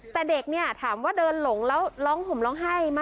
แต่เด็กเนี่ยถามว่าเดินหลงแล้วร้องห่มร้องไห้ไหม